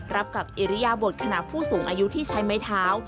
รับกับอิริยบทขณะผู้สูงอายุที่ใช้ไม้เท้า